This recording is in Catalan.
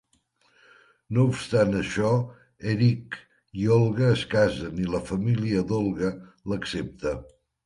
No obstant això, Eric i Olga es casen i la família d'Olga l'accepta.